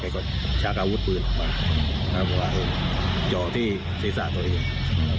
แกก็ชากาวุดพื้นจอดที่ศิษย์ศาสตร์ตัวเอง